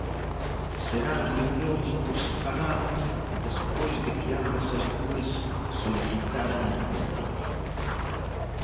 Serán reunións por separado despois de que ambas as dúas solicitaran encontros.